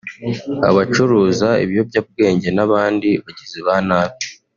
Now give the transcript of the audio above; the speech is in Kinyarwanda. abacuruza ibiyobyabwenge n’abandi bagizi ba nabi